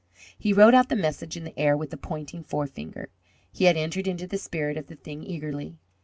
'" He wrote out the message in the air with a pointing forefinger. He had entered into the spirit of the thing eagerly.